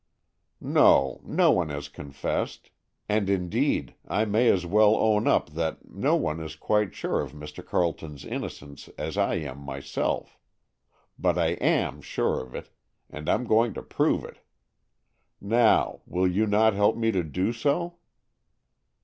"No, no one has confessed. And, indeed, I may as well own up that no one is quite so sure of Mr. Carleton's innocence as I am myself. But I am sure of it, and I'm going to prove it. Now, will you not help me to do so?"